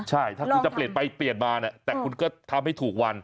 ใช่ถ้าคุณจะเปลี่ยนไปเปลี่ยนมาเนี่ยแต่คุณก็ทำให้ถูกวัน